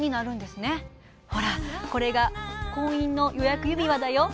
「ほらこれが婚姻の予約指輪だよ」。